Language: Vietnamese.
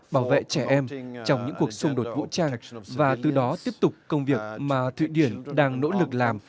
bảo vệ trẻ em trong những cuộc xung đột vũ trang và từ đó tiếp tục công việc mà thụy điển đang nỗ lực làm